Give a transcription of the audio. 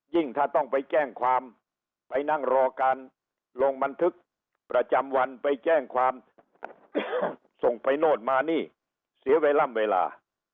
ถ้าต้องไปแจ้งความไปนั่งรอการลงบันทึกประจำวันไปแจ้งความส่งไปโน่นมานี่เสียเวลา